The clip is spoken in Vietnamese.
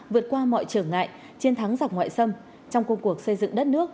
vượt qua mọi trở ngại chiến thắng dọc ngoại xâm trong cuộc cuộc xây dựng đất nước